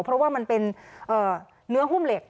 เพราะว่ามันเป็นเนื้อหุ้มเหล็ก